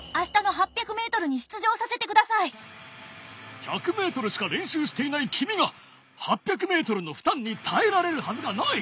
私を１００ｍしか練習していない君が８００ｍの負担に耐えられるはずがない！